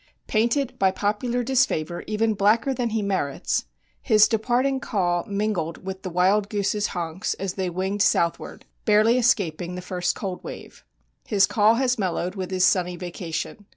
Painted by popular disfavor even blacker than he merits, his departing caw, mingled with the wild goose's "haunks," as they winged southward, barely escaping the first cold wave. His caw has mellowed with his sunny vacation.